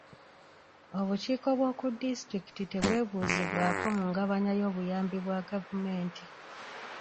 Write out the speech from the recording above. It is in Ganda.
Obukiiko bw'oku disitulikiti tebwebuuzibwako mu ngabanya y'obuyambi bwa gavumenti.